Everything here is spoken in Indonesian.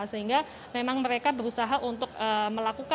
sehingga memang mereka berusaha untuk memperbaiki sistem